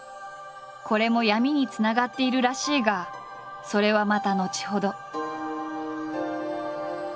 これも闇につながっているらしいがそれはまた後ほど。